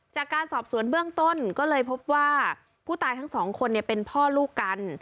จากการสอบสวนเบื้องต้นก็เลยพบว่าผู้ตายทั้งสองคนเป็นพ่อลูกกัน